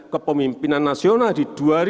kepemimpinan nasional di dua ribu dua puluh